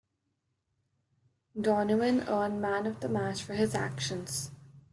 Donovan earned Man of the Match for his actions.